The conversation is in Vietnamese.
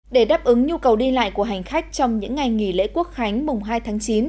để đáp ứng nhu cầu đi lại của hành khách trong những ngày nghỉ lễ quốc khánh mùng hai tháng chín